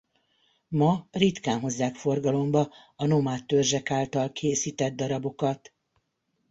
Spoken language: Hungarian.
Ma ritkán hozzák forgalomba a nomád törzsek által készített darabokat.